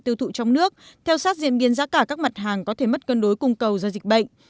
tiêu thụ trong nước theo sát diễn biến giá cả các mặt hàng có thể mất cân đối cung cầu do dịch bệnh